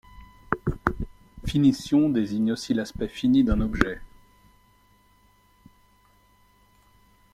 Finition désigne aussi l'aspect fini d'un objet.